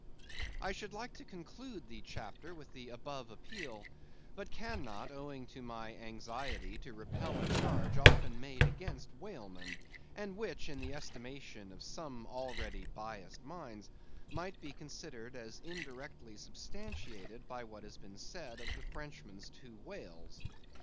I should like to conclude the chapter with the above appeal, but cannot, owing to my anxiety to repel a charge often made against whalemen, and which, in the estimation of some already biased minds, might be considered as indirectly substantiated by what has been said of the Frenchman's two whales.